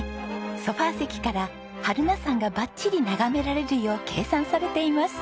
ソファ席から榛名山がバッチリ眺められるよう計算されています。